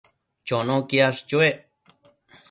Chono quiash chuec